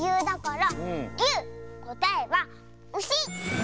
こたえはウシ！